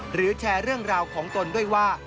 แชร์เรื่องราวของตนด้วยว่า